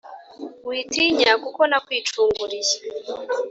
«Witinya kuko nakwicunguriye,